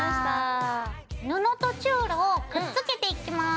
布とチュールをくっつけていきます。